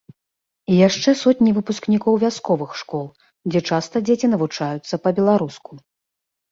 І яшчэ сотні выпускнікоў вясковых школ, дзе часта дзеці навучаюцца па-беларуску.